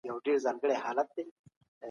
ولي په سوسیالیزم کي هر څه اجتماعي کیږي؟